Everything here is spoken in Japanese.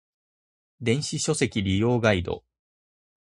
電子書籍利用ガイド